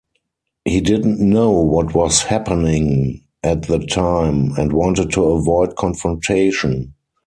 He didn't know what was happening at the time and wanted to avoid confrontation.